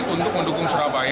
untuk mendukung kota surabaya